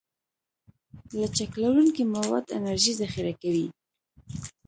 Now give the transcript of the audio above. لچک لرونکي مواد انرژي ذخیره کوي.